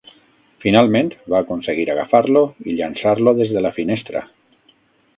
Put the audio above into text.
Finalment va aconseguir agafar-lo i llançar-lo des de la finestra.